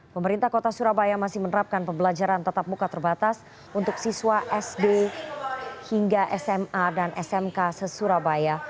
pemerintah kota surabaya masih menerapkan pembelajaran tetap muka terbatas untuk siswa sd hingga sma dan smk se surabaya